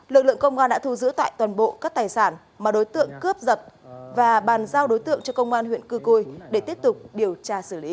lực lượng công an đã thu giữ tại toàn bộ các tài sản mà đối tượng cướp giật và bàn giao đối tượng cho công an huyện cư cui để tiếp tục điều tra xử lý